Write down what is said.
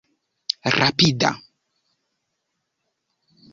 rapida